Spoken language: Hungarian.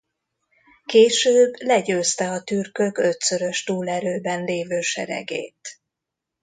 Később legyőzte a türkök ötszörös túlerőben lévő seregét.